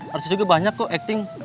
harusnya juga banyak kok acting